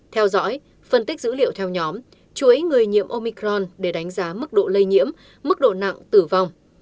theo dõi phân tích dữ liệu theo nhóm chuỗi người nhiễm omicron để đánh giá mức độ lây nhiễm mức độ nặng tử vong